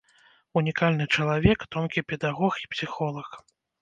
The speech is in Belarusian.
Унікальны чалавек, тонкі педагог і псіхолаг!